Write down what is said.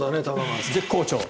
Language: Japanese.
絶好調。